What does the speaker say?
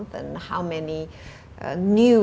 dan berapa banyak